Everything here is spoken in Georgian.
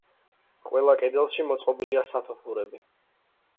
ყველა კედელში მოწყობილია სათოფურები.